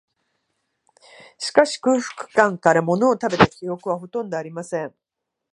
しかし、空腹感から、ものを食べた記憶は、ほとんどありません